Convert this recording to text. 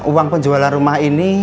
uang penjualan rumah ini